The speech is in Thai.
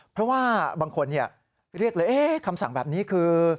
เพราะว่าบางคนเรียกเลยคำสั่งแบบนี้คือ